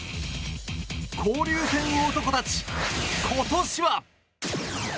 交流戦男たち、今年は。